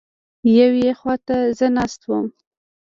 یوې خوا ته زه ناست وم.